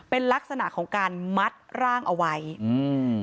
เป็นลักษณะของการมัดร่างเอาไว้อืม